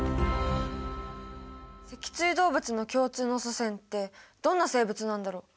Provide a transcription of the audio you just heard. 脊椎動物の共通の祖先ってどんな生物なんだろう？